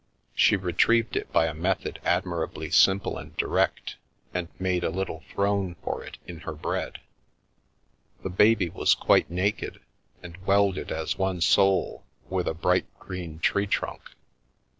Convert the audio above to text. She retrieved it by a method admirably simple and direct, and made a little throne for it in her bread. The baby was quite naked, and welded as one soul with a bright green tree trunk.